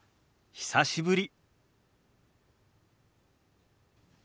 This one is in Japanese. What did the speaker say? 久しぶり。